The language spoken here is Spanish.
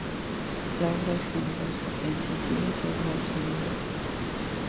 La obra es generosa en sencillas y agradables melodías.